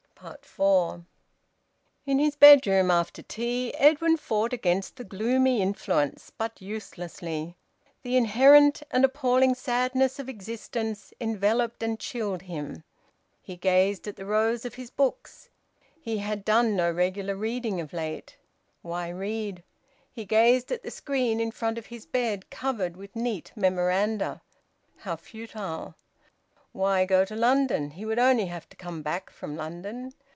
FOUR. In his bedroom, after tea, Edwin fought against the gloomy influence, but uselessly. The inherent and appalling sadness of existence enveloped and chilled him. He gazed at the rows of his books. He had done no regular reading of late. Why read? He gazed at the screen in front of his bed, covered with neat memoranda. How futile! Why go to London? He would only have to come back from London!